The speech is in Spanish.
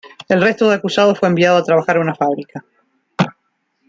El resto de acusados fue enviado a trabajar a una fábrica.